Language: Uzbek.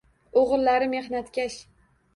O‘g‘illari mehnatkash